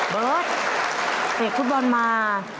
เบิร์ตเตะฟุตบอลมา